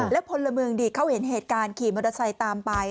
พลเมืองดีเขาเห็นเหตุการณ์ขี่มอเตอร์ไซค์ตามไป